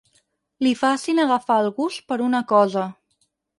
Li facin agafar el gust per una cosa.